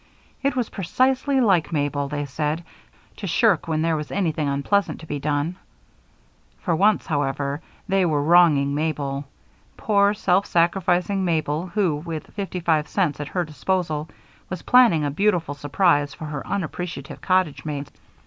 It was precisely like Mabel, they said, to shirk when there was anything unpleasant to be done. For once, however, they were wronging Mabel poor, self sacrificing Mabel, who with fifty five cents at her disposal was planning a beautiful surprise for her unappreciative cottage mates.